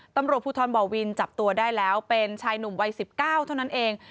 ตำรวจภูทรบ่อวินจับตัวได้แล้วเป็นชายหนุ่มวัย๑๙เท่านั้นเอง